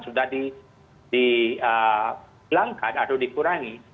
sudah dibilangkan atau dikurangi